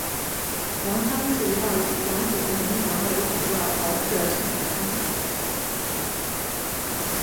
羊汤是一道以羊骨和羊杂为主料熬制而成的汤。